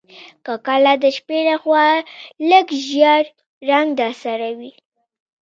که کله د شپې لخوا لږ ژیړ رنګ درسره وي